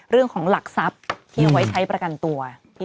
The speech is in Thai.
เรื่องของหลักทรัพย์ที่เอาไว้ใช้ประกันตัว